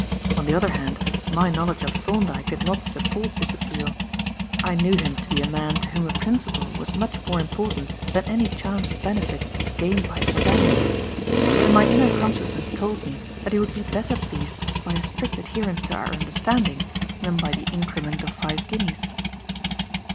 On the other hand, my knowledge of Thorndyke did not support this appeal. I knew him to be a man to whom a principle was much more important than any chance benefit gained by its abandonment, and my inner consciousness told me that he would be better pleased by a strict adherence to our understanding than by the increment of five guineas.